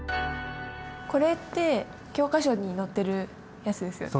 これって教科書に載ってるやつですよね。